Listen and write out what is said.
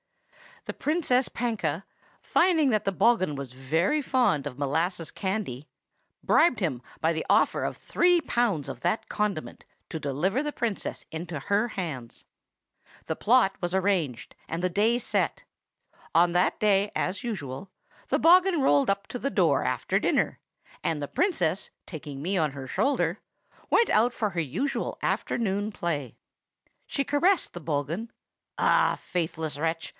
"The Princess Panka, finding that the bogghun was very fond of molasses candy, bribed him by the offer of three pounds of that condiment to deliver the Princess into her hands. The plot was arranged, and the day set. On that day, as usual, the bogghun rolled up to the door after dinner, and the Princess, taking me on her shoulder, went out for her usual afternoon play. She caressed the bogghun,—ah! faithless wretch!